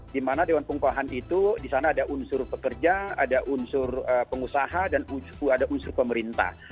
di mana dewan pengupahan itu di sana ada unsur pekerja ada unsur pengusaha dan ada unsur pemerintah